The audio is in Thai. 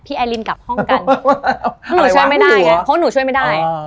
ไอลินกลับห้องกันหนูช่วยไม่ได้ไงเพราะหนูช่วยไม่ได้